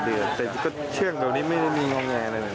๗เดือนแต่ก็เชื่อกลัวนี้ไม่มีงงแงเลย